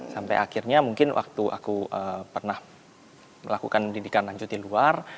sampai akhirnya mungkin waktu aku pernah melakukan pendidikan lanjut di luar